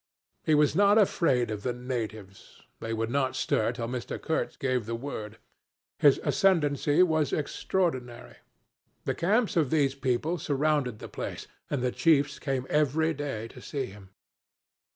He was not afraid of the natives; they would not stir till Mr. Kurtz gave the word. His ascendency was extraordinary. The camps of these people surrounded the place, and the chiefs came every day to see him.